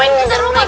ini kita lihat